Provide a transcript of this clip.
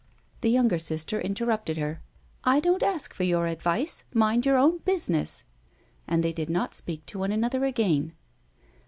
The younger sister interrupted her: "I don't ask for your advice mind your own business!" And they did not speak to one another again.